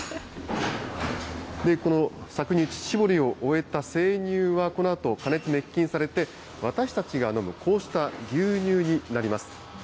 この搾乳、乳搾りを終えた生乳は、このあと加熱・熱菌されて、私たちが飲むこうした牛乳になります。